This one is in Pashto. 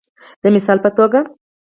د مثال په توګه